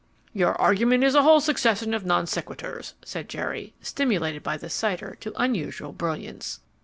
"Your argument is a whole succession of non sequiturs," said Jerry, stimulated by the cider to unusual brilliance.